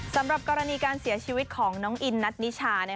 สำหรับกรณีการเสียชีวิตของน้องอินนัทนิชา